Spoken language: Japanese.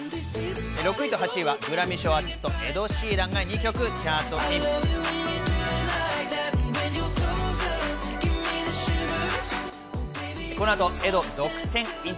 ６位と８位はグラミー賞アーティスト、エド・シーランが２曲チャートイン。